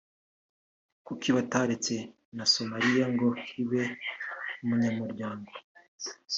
kuki bataretse na Somalia ngo ibe umunyamuryango